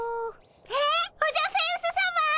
えっオジャフェウスさま！